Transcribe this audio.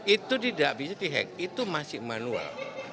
itu tidak bisa di hack itu masih manual